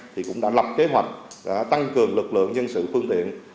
thì cũng đã lập kế hoạch tăng cường lực lượng nhân sự phương tiện